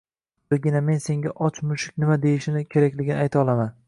Birgina men senga och mushuk nima deyishi kerakligini ayta olaman